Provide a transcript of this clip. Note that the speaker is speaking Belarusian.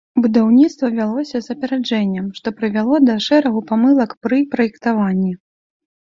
Будаўніцтва вялося з апярэджаннем, што прывяло да шэрагу памылак пры праектаванні.